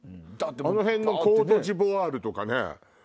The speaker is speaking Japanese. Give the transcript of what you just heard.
あの辺のコートジボワールとかね